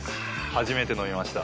初めて飲みました。